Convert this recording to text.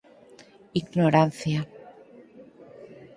Ignorancia.